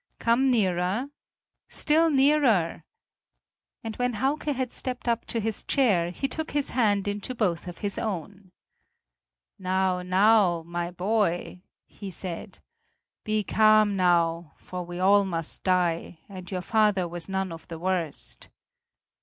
Come nearer, still nearer." And when Hauke had stepped up to his chair, he took his hand into both of his own: "Now, now, my boy," he said, "be calm now, for we all must die, and your father was none of the worst.